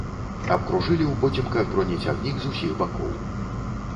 Абкружылі ўпоцемках бронецягнік з усіх бакоў.